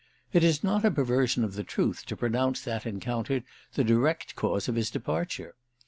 It is not a perversion of the truth to pronounce that encounter the direct cause of his departure.